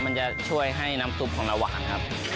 มันจะช่วยให้น้ำซุปของเราหวานครับ